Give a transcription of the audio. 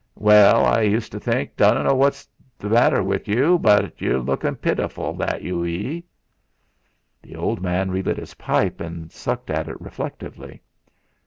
'Well,' I used t'think, 'I dunno what 'tes that's the matter wi' yu, but yu'm lukin' pittiful, that yu be!'. The old man refit his pipe, and sucked at it reflectively.